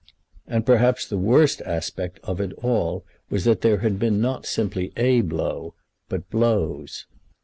And perhaps the worst aspect of it all was that there had been not simply a blow, but blows.